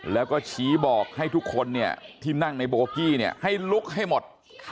แล้วก็ชี้บอกให้ทุกคนที่นั่งในโบกี้ให้ลุกให้หมด